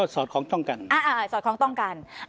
สอดคล้องต้องกัน